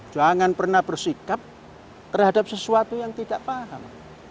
jangan pernah bersikap terhadap sesuatu yang tidak paham